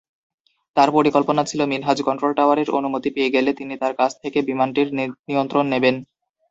তার পরিকল্পনা ছিলো মিনহাজ কন্ট্রোল টাওয়ারের অনুমতি পেয়ে গেলে তিনি তার কাছ থেকে বিমানটির নিয়ন্ত্রণ নেবেন।